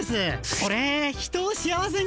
オレ人を幸せに。